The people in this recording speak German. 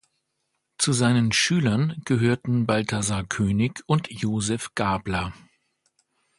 Zu seinen Schülern gehörten Balthasar König und Joseph Gabler.